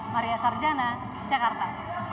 maria tarjana jakarta